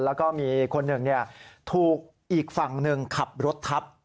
แล้วก็มีคนหนึ่งถูกอีกฝั่งหนึ่งขับรถทับ